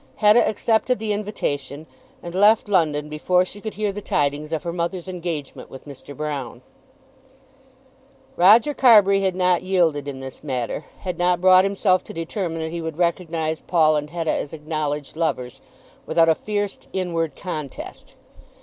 Hetta accepted the invitation and left London before she could hear the tidings of her mother's engagement with Mr. Broune. Roger Carbury had not yielded in this matter, had not brought himself to determine that he would recognise Paul and Hetta as acknowledged lovers, without a fierce inward contest.